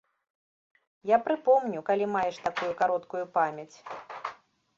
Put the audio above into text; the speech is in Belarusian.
Я прыпомню, калі маеш такую кароткую памяць.